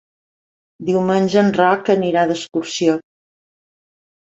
Diumenge en Roc anirà d'excursió.